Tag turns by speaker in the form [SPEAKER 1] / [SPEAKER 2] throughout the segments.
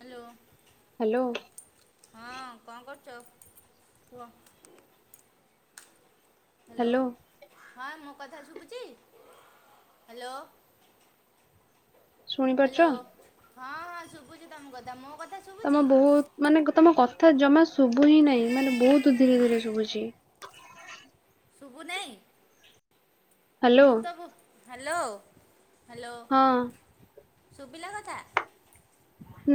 [SPEAKER 1] Hello.
[SPEAKER 2] Hello.
[SPEAKER 1] ହଁ କଣ କରୁଚ କୁହ। ହାଲୋ
[SPEAKER 2] ହ୍ୟାଲୋ
[SPEAKER 1] ହଁ ମୋ କଥା ଶୁଭୁଚି ହାଲୋ।
[SPEAKER 2] ଶୁଣିପାରୁଛ?
[SPEAKER 1] ହାଲୋ ହଁ ହଁ ଶୁଭୁଚି ତମ କଥା ମୋ କଥା।
[SPEAKER 2] ତମ
[SPEAKER 1] ଶୁଭୁଛି
[SPEAKER 2] ବହୁତ ମାନେ ତମ କଥା ଜମା ଶୁଭୁ ହିଁ ନାହିଁ ମାନେ ବହୁତ ଧୀରେ ଧୀରେ ଶୁଭୁଚି।
[SPEAKER 1] ଶୁଭୁ ନାହିଁ
[SPEAKER 2] ହ୍ୟାଲୋ
[SPEAKER 1] ମୁଁ ତ ହାଲୋ। ହାଲୋ
[SPEAKER 2] ହଁ
[SPEAKER 1] ସୁଭିଲା କଥା?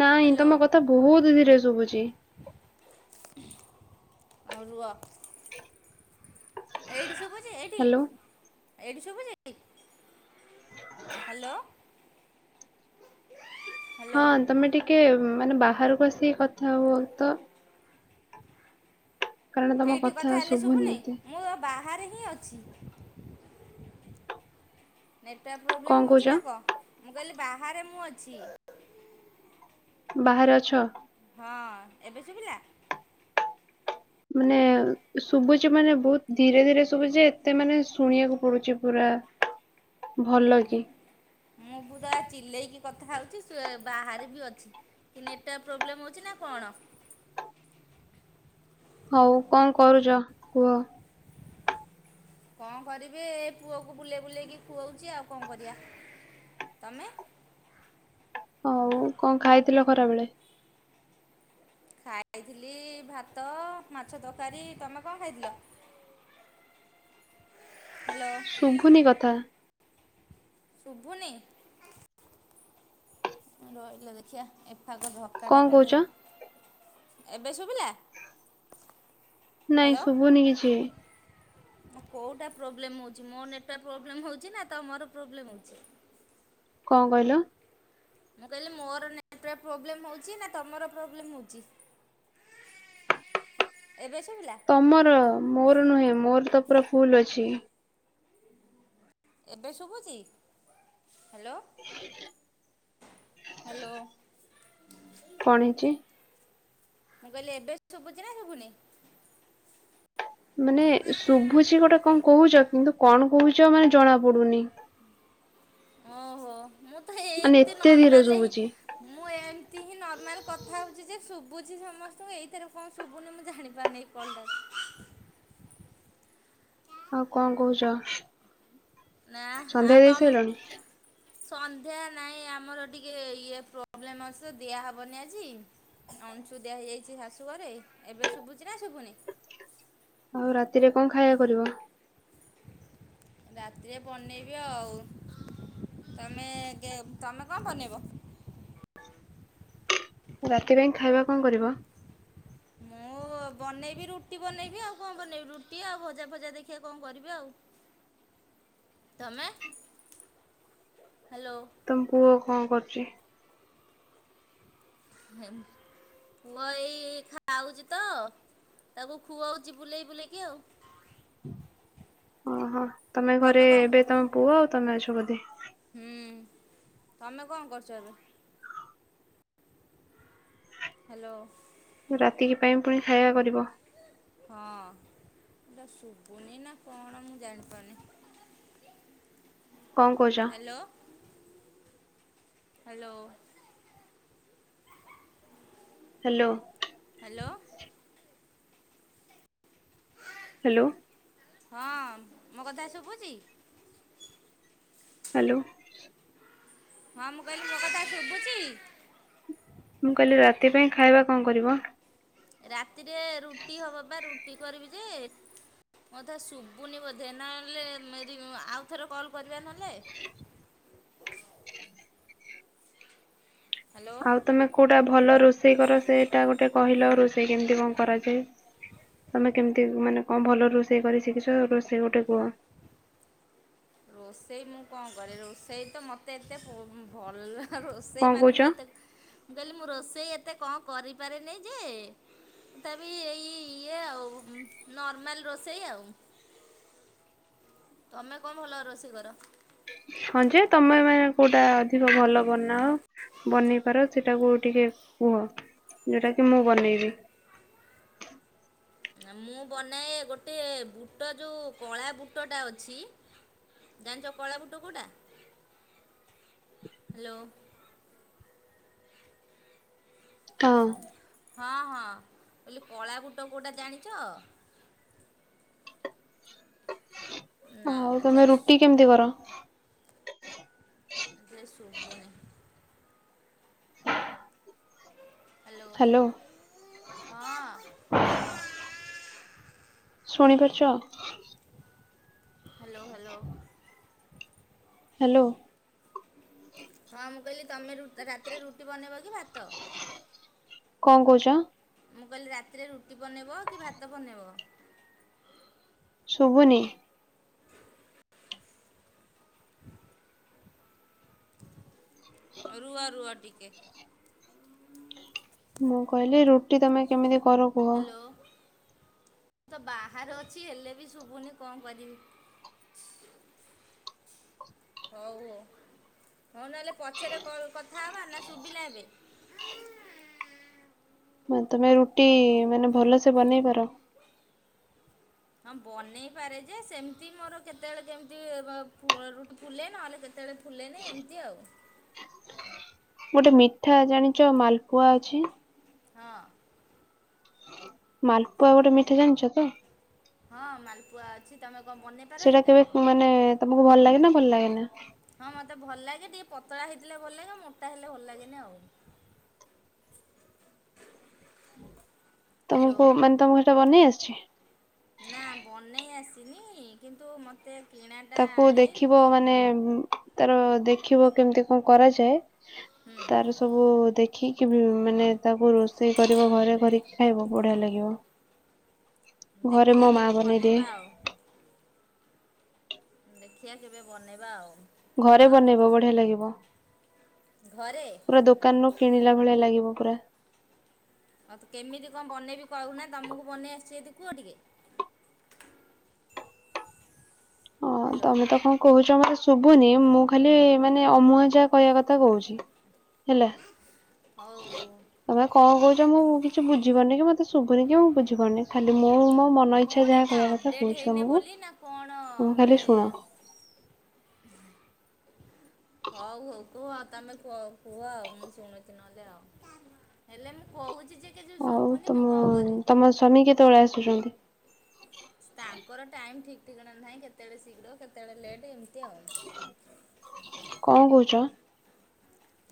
[SPEAKER 2] ନାଇଁ
[SPEAKER 1] ହ୍ୟାଲୋ
[SPEAKER 2] ତମ କଥା ବହୁତ ଧୀରେ ଶୁଭୁଚି।
[SPEAKER 1] ହଉ ରୁହ। ଏଇଠି ଶୁଭୁଚି ଏଇଠି
[SPEAKER 2] ହ୍ୟାଲୋ
[SPEAKER 1] ଏଇଠି ଶୁଭୁଚି? ହାଲୋ। ହ୍ୟାଲୋ
[SPEAKER 2] ହଁ ତମେ ଟିକେ ମାନେ ବାହାରକୁ ଆସିକି କଥା ହୁଅ ତ। କାରଣ ତମ
[SPEAKER 1] ଏଇଠି କଥା ହେଲେ
[SPEAKER 2] ଶୁଭୁନି
[SPEAKER 1] ଶୁଭୁନାହି?
[SPEAKER 2] ଏତେ
[SPEAKER 1] ମୁଁ ଏ ବାହାରେ ହିଁ ଅଛି। ନେଟୱାର୍କ
[SPEAKER 2] କଣ
[SPEAKER 1] ପ୍ରୋବ୍ଲେମ୍
[SPEAKER 2] କହୁଛ
[SPEAKER 1] ହଉଚି ନା କଣ? ମୁଁ କହିଲି ବାହାରେ ମୁଁ ଅଛି।
[SPEAKER 2] ବାହାରେ ଅଛ?
[SPEAKER 1] ହଁ ଏବେ ଶୁଭିଲା?
[SPEAKER 2] ମାନେ ଶୁଭୁଚି ମାନେ ବହୁତ ଧୀରେ ଧୀରେ ଶୁଭୁଚି ଏତେ ମାନେ ଶୁଣିବାକୁ ପଡୁଚି ପୁରା। ଭଲ କି।
[SPEAKER 1] ମୁଁ ପୁୁରା ଚିଲେଇକି କଥା ହଉଚି। ସି ବାହାରେ ବି ଅଛି। କି ନେଟୱାର୍କ ପ୍ରୋବ୍ଲେମ୍ ହଉଚି ନା କଣ?
[SPEAKER 2] ହଉ କଣ କରୁଚ କୁହ?
[SPEAKER 1] କଣ କରିବି ଏଇ ପୁଅକୁ ବୁଲେଇ ବୁଲେଇକି ଖୁଅଉଚି ଆଉ କଣ କରିବା? ତମେ?
[SPEAKER 2] ହଉ କଣ ଖାଇଥିଲ ଖରାବେେଳେ?
[SPEAKER 1] ଖାଇଥିଲି ଭାତ ମାଛ ତରକାରୀ। ତମେ କଣ ଖାଇଥିଲ?
[SPEAKER 2] [inaudible]
[SPEAKER 1] ହ୍ୟାଲୋ।
[SPEAKER 2] ଶୁଭୁନି କଥା।
[SPEAKER 1] ଶୁଭୁନି? ରହିଲ ଦେଖିବା ଏଫାକ ଝରକାଟା
[SPEAKER 2] କଣ କହୁଛ?
[SPEAKER 1] କାଢେ। ଏବେ ଶୁଭିଲା?
[SPEAKER 2] ନାଇଁ ଶୁଭୁନି କିଛିିବି।
[SPEAKER 1] ମୋ କୋଉଟା ପ୍ରୋବ୍ଲେମ ହୋଉଛି ମୋର ନେଟୱାକ୍ ପ୍ରୋବ୍ଲେମ ହଉଛି ନା ତମର ପ୍ରୋବ୍ଲେମ ହେଉଛି?
[SPEAKER 2] କଣ କହିଲ?
[SPEAKER 1] ମୁଁ କହିଲି ମୋର ନେଟୱାର୍କ ପ୍ରୋବ୍ଲେମ୍ ହେଉଛି ନା ତମର ପ୍ରୋବ୍ଲେମ୍ ହେଉଛି? ଏବେ ଶୁଭିଲା?
[SPEAKER 2] ତମର ମୋର ନୁହେଁ ମୋର ତ ପୁରା ଫୁଲ ଅଛି।
[SPEAKER 1] ଏବେ ଶୁଭୁଛି ହ୍ୟାଲୋ।
[SPEAKER 2] ହ
[SPEAKER 1] ହ୍ୟାଲୋ।
[SPEAKER 2] କଣ ହେଇଛି?
[SPEAKER 1] ମୁଁ କହିଲି ଏବେ ଶୁଭୁଛି ନା ଶୁଭୁନି?
[SPEAKER 2] ମାନେ ଶୁଭୁଛି ଗୋଟେ କଣ କହୁଛ କିନ୍ତୁ କଣ କହୁଛ ମାନେ ଜଣା ପଡୁନି।
[SPEAKER 1] ଓହୋ ମୁଁ ତ
[SPEAKER 2] ମାନେ
[SPEAKER 1] ଏମିତି
[SPEAKER 2] ଏତେ ଧୀରେ
[SPEAKER 1] ନର୍ମାଲରେ ହିଁ
[SPEAKER 2] ଶୁଭୁଛି।
[SPEAKER 1] ମୁଁ ଏମିତି ହିଁ ନର୍ମାଲ କଥା ହେଉଛି ଯେ ଶୁଭୁଛି ସମସ୍ତଙ୍କୁ ଏଇଥିରେ କଣ ଶୁଭୁନି ମୁଁ ଜାଣିପାରୁନାହିଁ। ବନ୍ଦ ଅଛି।
[SPEAKER 2] ଆଉ କଣ କହୁଛ
[SPEAKER 1] ନା ଆଉ
[SPEAKER 2] ସନ୍ଧ୍ୟା ଦେଇ
[SPEAKER 1] ତମ
[SPEAKER 2] ସାରିଲଣି?
[SPEAKER 1] ସନ୍ଧ୍ୟା ନାଇଁ ଆମର ଟିକେ ଇଏ ପ୍ରୋବ୍ଲେମ ଅଛିତ ଦିଆହେବନି ଆଜି। ଅଣଶୁଦ୍ଧିଆ ହେଇଯାଇଛି ଶାଶୁ ଘରେ ଏବେ ଶୁଭୁଛି ନା ଶୁଭୁନି।
[SPEAKER 2] ଆଉ ରାତିରେ କଣ ଖାଇବା କରିଵ?
[SPEAKER 1] ରାତିରେ ବନେଇବି ଆଉ ତମେ ଗେ ତମେ କଣ ବନେଇବ?
[SPEAKER 2] ରାତି ପାଇଁ ଖାଇବା କଣ କରିବ?
[SPEAKER 1] ମୁଁ ବନେଇବି ରୁଟି ବନେଇବି ଆଉ କଣ ବନେଇବି ରୁଟି ଆଉ ଭଜା ଫଜା ଦେଖିବା କଣ କରିବି ଆଉ।
[SPEAKER 2] [unintelligible]
[SPEAKER 1] ତମେ ହ୍ୟାଲୋ।
[SPEAKER 2] ତମ ପୁଅ କଣ କରୁଛି?
[SPEAKER 1] ପୁଅ ଏଇ ଖାଉଛି ତ ତାକୁ ଖୁଆଉଛି ବୁଲେଇ ବୁଲେଇକି ଆଉ।
[SPEAKER 2] ଓହୋ। ତମେ ଘରେ ଏବେ ତମ ପୁଅ, ଆଉ ତମେ ଅଛ ବୋଧେ?
[SPEAKER 1] ହୁଁ, ତମେ କଣ କରୁଚ ଏବେ? ହ୍ୟାଲୋ।
[SPEAKER 2] ରାତିକି ପାଇଁ ପୁଣି ଖାଇବା କରିବ!
[SPEAKER 1] ହଁ, ଶୁଭୁନି ନା କଣ ମୁଁ ଜାଣିପାରୁନି।
[SPEAKER 2] କଣ କହୁ
[SPEAKER 1] hello. Hello.
[SPEAKER 2] Hello.
[SPEAKER 1] Hello.
[SPEAKER 2] Hello.
[SPEAKER 1] ହଁ ମୋ କଥା ଶୁଭୁଚି?
[SPEAKER 2] ହ୍ୟାଲୋ।
[SPEAKER 1] ହଁ ମୁଁ କହିଲି ମୋ କଥା ଶୁଭୁଚି?
[SPEAKER 2] ମୁଁ କହିଲି ରାତି ପାଇଁ ଖାଇବା କଣ କରିବ?
[SPEAKER 1] ରାତିରେ ରୁଟି ହବ ପା ରୁଟି କରିବି ଯେ ମୋ କଥା ଶୁଭୁନି ବୋଧେ। ନହେଲେ ମେରୀ ଆଉ ଥରେ କଲ୍ କରିବା ନହେଲେ। ହ୍ୟାଲୋ।
[SPEAKER 2] ଆଉ ତମେ, କୋଉଟା ଭଲ ରୋଷେଇ କର। ସେଇଟା ଗୋଟେ କହିଲ, ରୋଷେଇ କେମତି କଣ କରାଯାଏ? ତମେ କେମିତି ମାନେ କଣ ଭଲ ରୋଷେଇ କରି ଶିଖିଚ ଭଲ ରୋଷେଇ ଗୋଟେ କୁହ?
[SPEAKER 1] ରୋଷେଇ ମୁଁ କଣ କରେ। ରୋଷେଇ ତ ମୋତେ ଏତେ ଭଲ ରୋଷେଇ
[SPEAKER 2] କଣ
[SPEAKER 1] ମାନେ
[SPEAKER 2] କହୁଛ
[SPEAKER 1] ମୁଁ ଏତେ, ମୁଁ କହିଲି, ମୁଁ ରୋଷେଇ, ଏତେ କଣ କରିପାରେନି ଯେ? ତଥାପି, ଏଇ, ଇଏ, ଆଉ ନର୍ମାଲ ରୋଷେଇ ଆଉ ତମେ କଣ ଭଲ ରୋଷେଇ କର?
[SPEAKER 2] ହଁ ଯେ, ତମେ ମାନେ କୋଉଟା ଅଧିକ ଭଲ ବନାଅ? ବନେଇ ପାର, ସେଟାକୁ ଟିକେ କୁହ। ଯୋଉଟା କି, ମୁଁ ବନେଇବି?
[SPEAKER 1] ମୁଁ ବନାଏ ଗୋଟେ, ବୁଟ ଯୋଉ କଳା ବୁଟଟା ଅଛି। ଜାଣିଚ କଳା ବୁଟ କୋଉଟା ହାଲୋ।
[SPEAKER 2] ହଁ।
[SPEAKER 1] ହଁ, ହଁ। ବୋଲି କଳା ବୁଟ କୋଉଟା ଜାଣିଚ?
[SPEAKER 2] ଆଉ, ତମେ ରୁଟି କେମିତି କର?
[SPEAKER 1] ଏ ଶୁଭୁନି।
[SPEAKER 2] Hello
[SPEAKER 1] hello. ହଁ,।
[SPEAKER 2] ଶୁଣିପାରୁଚ?
[SPEAKER 1] ହ୍ୟାଲୋ। ହ୍ୟାଲୋ।
[SPEAKER 2] ହ୍ୟାଲୋ।
[SPEAKER 1] ହଁ। ମୁଁ, କହିଲି ତମେ ରାତିରେ ରୁଟି ବନେଇବ, କି ଭାତ?
[SPEAKER 2] କଣ କହୁଚ?
[SPEAKER 1] ମୁଁ କହିଲି, ରାତିରେ ରୁଟି ବନେଇବ, କି ଭାତ ବନେଇବ?
[SPEAKER 2] ଶୁଭୁନି।
[SPEAKER 1] ରୁହ ରୁଅ ଟିକେ।
[SPEAKER 2] ମୁଁ କହିଲି, ରୁଟି ତମେ କେମିତି କର? କୁହ?
[SPEAKER 1] ହ୍ୟାଲୋ। ମୁ ତ ବାହାରେ ଅଛି, ହେଲେ ବି ଶୁଭୁନି କଣ କରିବି? ହଉ, ହଉ। ହଉ, ନହେଲେ ପଛରେ କଥା ହେବା। ନା ଶୁଭିଲା ଏବେ?
[SPEAKER 2] ତମେ ରୁଟି, ମାନେ ଭଲ ସେ ବନେଇ ପାର।
[SPEAKER 1] ହଁ, ବନେଇ ପାରେ ଯେ, ସେମିତି ମୋର କେତେବେଳେ, କେମିତି, ରୁଟି ଫୁଲେ ନହେଲେ, କେତେବେଳେ? ଫୁଲେନି ଏମତି ଆଉ
[SPEAKER 2] ଗୋଟେ ମିଠା ଜାଣିଚ ମାଲପୁଆ ଅଛି?
[SPEAKER 1] ହଁ।
[SPEAKER 2] ମାଲପୁଆ ଗୋଟେ ମିଠା ଜାଣିଚ ତ?
[SPEAKER 1] ହଁ ମାଲପୁଆ ଅଛି ତମେ କଣ ବନେଇ ପାର
[SPEAKER 2] ସେଇଟା
[SPEAKER 1] ସେଟା।
[SPEAKER 2] କେବେ ମାନେ ତମକୁ ଭଲ ଲାଗେ ନା ଭଲ ଲାଗେନା?
[SPEAKER 1] ହଁ ମତେ ଭଲ ଲାଗେ ଟିକେ ପତଳା ହେଇଥିଲେ ଭଲ ଲାଗେ ମୋଟା ହେଲେ ଭଲ ଲାଗେନି ଆଉ ହ୍ୟାଲୋ
[SPEAKER 2] ତମକୁ ମାନେ ତମକୁ ସେଇଟା ବନେଇ ଆସିଛି?
[SPEAKER 1] ନା ବନେଇ ଆସିନି କିନ୍ତୁ ମତେ
[SPEAKER 2] ତାକୁ ଦେଖିବ ମାନେ ତାର ଦେଖିବ କେମିତି କଣ କରାଯାଏ
[SPEAKER 1] ହୁଁ
[SPEAKER 2] ତାର ସବୁ ଦେଖ ଦେଖିକି ମାନେ ତାକୁ ରୋଷେଇ କରିବ ଘରେ କରିକି ଖାଇବ ବଢିଆ ଲାଗିବ। ଘରେ
[SPEAKER 1] ଦେଖିିବା
[SPEAKER 2] ମୋ ମା
[SPEAKER 1] କେବେ
[SPEAKER 2] ବନେଇଦିଏ
[SPEAKER 1] ବନେଇବା ଆଉ ଦେଖିବା କେବେ ବନେଇବା ଆଉ
[SPEAKER 2] ଘରେ
[SPEAKER 1] ଆଉ
[SPEAKER 2] ବନେଇବ ବଢିଆ ଲାଗିବ।
[SPEAKER 1] ଘରେ।
[SPEAKER 2] ପୁରା ଦୋକାନରୁୁ କିଣିଲା ଭଳିଆ ଲାଗିବ ପୁରା।
[SPEAKER 1] ହଉ ତ କେମିତି କଣ ବନେଇବି କହୁନା ତମକୁ ବନେଇ ଆସିଛି ଏଠି କୁହ ଟିକେ?
[SPEAKER 2] ହଁ
[SPEAKER 1] ହ୍ୟାଲୋ
[SPEAKER 2] ତମେ ତ କଣ କହୁଛ ମତେ ଶୁଭୁନି ମୁଁ ଖାଲି ମାନେ ଅମୁହା ଯା କହିବା କଥା କହୁଛି ହେଲା।
[SPEAKER 1] ହଉ
[SPEAKER 2] ତମେ କଣ କହୁଛ ମୁଁ କିଛି ବୁଝିପାରୁନି କି ମତେ ଶୁଭୁନି କି ମୁଁ ବୁଝି ତମେ ଖାଲି ମୁଁ ମୋ ମନ ଇଚ୍ଛା
[SPEAKER 1] କ'ଣ
[SPEAKER 2] ଯାହା
[SPEAKER 1] ଏଇଟା
[SPEAKER 2] କହିବା କଥା
[SPEAKER 1] ଅପଡ଼େଟ୍
[SPEAKER 2] କହୁଛି
[SPEAKER 1] ହେଇନି
[SPEAKER 2] ତମକୁ
[SPEAKER 1] ବୋଲି ନା କଣ
[SPEAKER 2] ତମେ ଖାଲି
[SPEAKER 1] ମାନେ?
[SPEAKER 2] ଶୁଣ
[SPEAKER 1] ହଉ ହଉ। କୁହ ତମେ କୁଅ କୁହ ଆଉ ମୁଁ ଶୁଣୁଚି ନହେଲେ ଆଉ ହେଲେ ମୁଁ କହୁଚି ଯେ କିଛି ଶୁଭୁନି ମୁଁ କଁ କରିବି?
[SPEAKER 2] ସ୍ୱାମୀ କେତବେଳେ ଆସୁଚନ୍ତି?
[SPEAKER 1] ତାଙ୍କର ଟାଇମ୍ ଠିକ୍ ଠିକଣା ନାହିଁ କେତେବେଳେ ଶୀଘ୍ର କେତେବେଳେ ଲେଟ୍ ଏମତି ଆଉ।
[SPEAKER 2] କଁ କହୁଚ?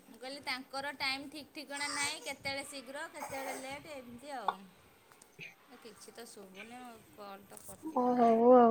[SPEAKER 1] ମୁଁ କହିଲି ତାଙ୍କର ଟାଇମ୍ ଠିକ୍ ଠିକଣା ନାହିଁ କେତେବେଳେ ଶୀଘ୍ର କେତେବେଳେ ଲେଟ୍ ଏମତି ଆଉ। କିଛି ତ ଶୁଭୁନି ଆଉ କଲ ତ କଟି ଆଉ କାଟ୍
[SPEAKER 2] କୁହ?